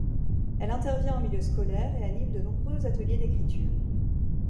Elle intervient en milieu scolaire et anime de nombreux ateliers d'écriture.